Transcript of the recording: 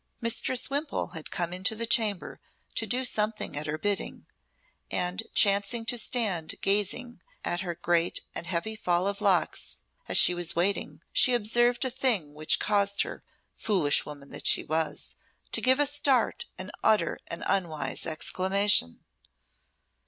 Mistress Wimpole had come in to the chamber to do something at her bidding, and chancing to stand gazing at her great and heavy fall of locks as she was waiting, she observed a thing which caused her, foolish woman that she was, to give a start and utter an unwise exclamation.